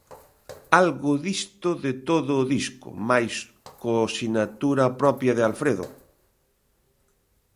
Algo disto de todo o disco, mais co sinatura propia de Alfredo.